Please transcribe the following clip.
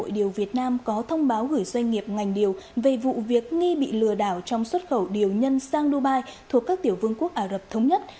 hội điều việt nam có thông báo gửi doanh nghiệp ngành điều về vụ việc nghi bị lừa đảo trong xuất khẩu điều nhân sang dubai thuộc các tiểu vương quốc ả rập thống nhất